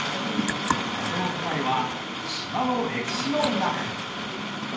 謎の答えは島の歴史の中に。